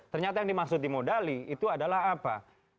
ternyata yang dimaksud dimodali itu adalah apa